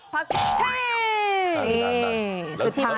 พักชิ้น